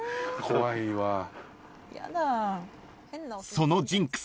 ［そのジンクス